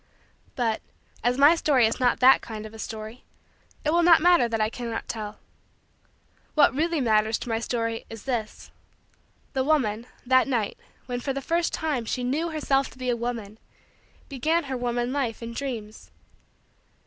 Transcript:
But, as my story is not that kind of a story, it will not matter that I cannot tell. What really matters to my story is this: the woman, that night, when, for the first time, she knew herself to be a woman, began her woman life in dreams.